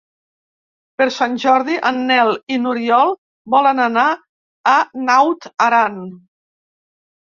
Per Sant Jordi en Nel i n'Oriol volen anar a Naut Aran.